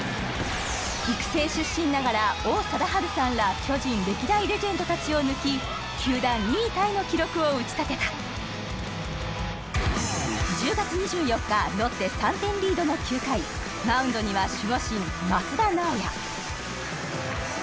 育成出身ながら王貞治さんら巨人歴代レジェンドたちを抜き球団２位タイの記録を打ち立てたロッテ３点リードの９回マウンドには守護神